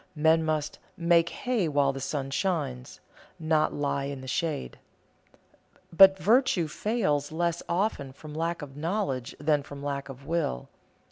Men must "make hay while the sun shines," not lie in the shade. But virtue fails less often from lack of knowledge than from lack of will.